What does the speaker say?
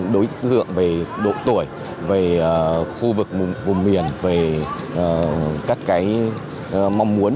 đối tượng về độ tuổi về khu vực vùng miền về các mong muốn